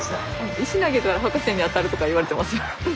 石投げたら博士に当たるとか言われてますよ。